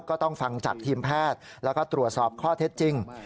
ก็ต้องฟังจากทีมแพทย์แล้วก็ตรวจสอบข้อเท็จจริง